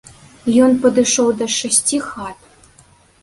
Ён падышоў да шасці хат.